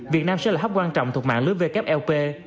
việt nam sẽ là hấp quan trọng thuộc mạng lưới wop